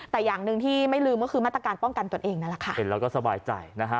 แต่อย่างหนึ่งที่ไม่ลืมก็คือมาตรการป้องกันตนเองนั่นแหละค่ะเห็นแล้วก็สบายใจนะฮะ